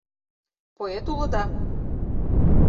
— Поэт улыда?